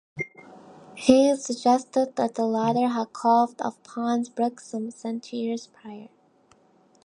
He suggested that the latter had calved off Pons-Brooks some centuries prior.